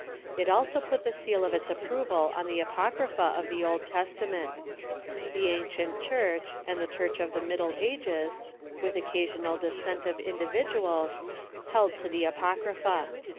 It also put the seal of its approval on the Apocrypha of the Old Testament. The ancient Church and the Church of the Mid dle Ages, with occasional dissent of individuals, held to the Apocrypha.